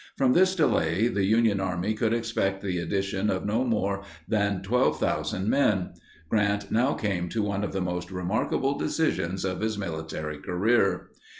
From this delay the Union Army could expect the addition of no more than 12,000 men. Grant now came to one of the most remarkable decisions of his military career.